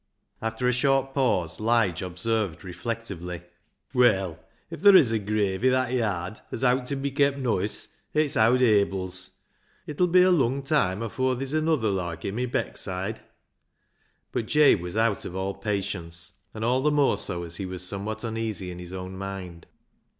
After a short pause, Lige observed reflec tively —" Well, if ther' is a grave i' that yard as owt ta be kept noice it's owd Abil's ; it 'ull be a lung toime afoor ther's anuther loike him i' Beckside," But Jabe was out of all patience, and all the more so as he was somewhat uneasy in his own mind.